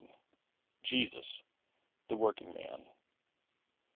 Jesus — The Working Man.